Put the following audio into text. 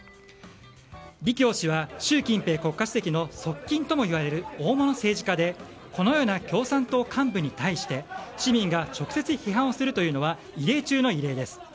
リ・キョウ氏は習近平国家主席の側近ともいわれる大物政治家でこのような共産党幹部に対して市民が直接批判をするというのは異例中の異例です。